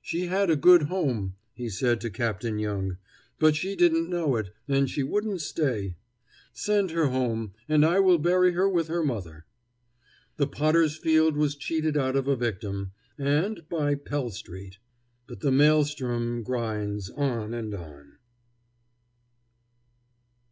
"She had a good home," he said to Captain Young. "But she didn't know it, and she wouldn't stay. Send her home, and I will bury her with her mother." The Potter's Field was cheated out of a victim, and by Pell street. But the maelstrom grinds on and on.